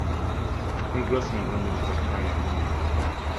Congressman Romulus Zachariah Linney.